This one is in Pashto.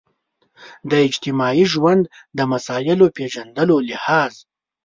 د اجتماعي ژوند د مسایلو پېژندلو لحاظ.